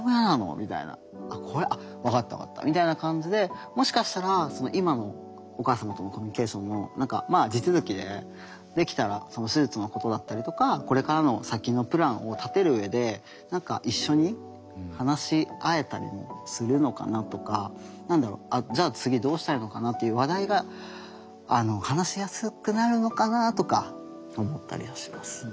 みたいな「あっこれあっ分かった分かった」みたいな感じでもしかしたら今のお母様とのコミュニケーションも何か地続きでできたらその手術のことだったりとかこれからの先のプランを立てる上で何か一緒に話し合えたりもするのかなとか何だろうじゃあ次どうしたいのかなっていう話題が話しやすくなるのかなとか思ったりはします。